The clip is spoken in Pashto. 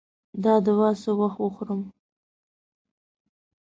دا دوا څه وخت وخورم؟